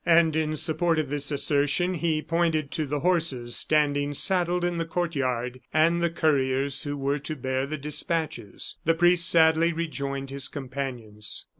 And in support of this assertion, he pointed to the horses, standing saddled in the court yard, and the couriers who were to bear the despatches. The priest sadly rejoined his companions.